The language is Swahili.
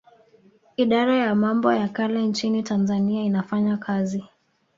Idara ya mambo ya kale nchini Tanzania inafanya kazi